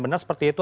benar seperti itu